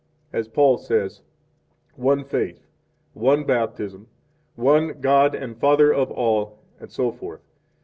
4 As Paul says: One faith, one Baptism, one God and Father of all, etc.